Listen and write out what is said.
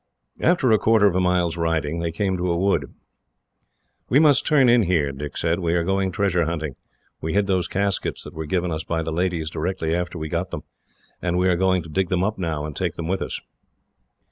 After a quarter of a mile's riding, they came to a wood. "We must turn in here," Dick said. "We are going treasure hunting. We hid those caskets, that were given us by the ladies, directly after we got them; and we are going to dig them up now, and take them with us."